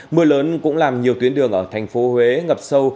mưa lớn cũng làm nhiều tuyến đường ở thành phố huế ngập sâu